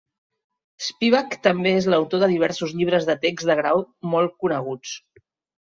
Spivak també és l'autor de diversos llibres de text de grau molt coneguts.